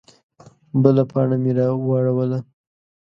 _بله پاڼه مې راواړوله.